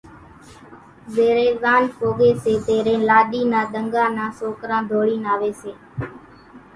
زيرين زاڃ پوڳيَ سي تيرين لاڏِي نا ۮنڳا نان سوڪران ڌوڙينَ آويَ سي۔